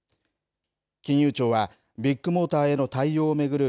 金融庁は、ビッグモーターへの対応を巡る